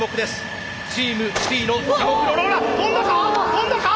跳んだか？